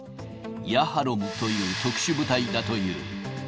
ヤハロムという特殊部隊だという。